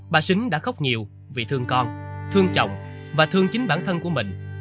bà xính đã khóc nhiều vì thương con thương chồng và thương chính bản thân của mình